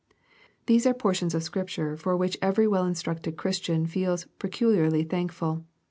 These are por tions of Scripture for which every well instructed Chris tian feels peculiarly thankful.